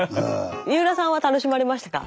三浦さんは楽しまれましたか？